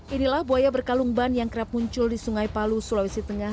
inilah buaya berkalung ban yang kerap muncul di sungai palu sulawesi tengah